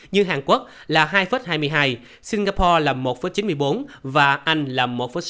như hàn quốc là hai hai mươi hai singapore là một chín mươi bốn và anh là một sáu mươi hai